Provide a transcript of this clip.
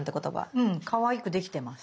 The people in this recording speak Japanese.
うんかわいくできてます。